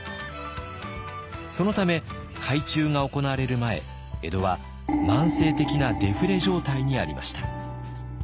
そのため改鋳が行われる前江戸は慢性的なデフレ状態にありました。